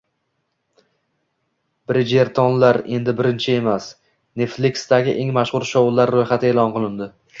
“Brijertonlar” endi birinchi emas: Netflix’dagi eng mashhur shoular ro‘yxati e’lon qilindi